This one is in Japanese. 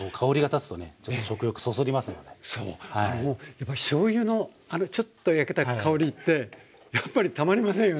やっぱしょうゆのあのちょっと焼けた香りってやっぱりたまりませんよね。